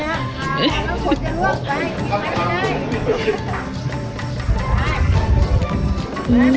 แล้วผมจะลวกไปมันได้